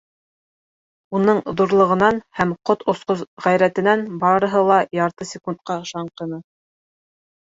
Уның ҙурлығынан һәм ҡот осҡос ғәйрәтенән барыһы ла ярты секундҡа шаңҡыны.